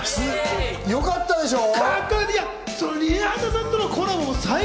よかったでしょ？